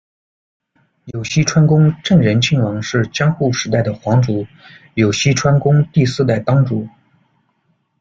有栖川宫正仁亲王是江户时代的皇族，有栖川宫第四代当主。